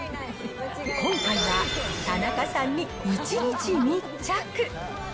今回は田中さんに１日密着。